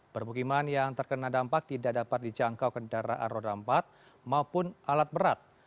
permukiman yang terkena dampak tidak dapat dijangkau kendaraan roda empat maupun alat berat